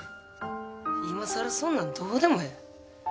いまさらそんなんどうでもええ